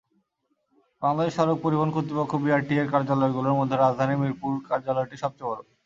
বাংলাদেশের সড়ক পরিবহন কর্তৃপক্ষ বিআরটিএর কার্যালয়গুলোর মধ্যে রাজধানীর মিরপুর কার্যালয়টি সবচেয়ে বড়।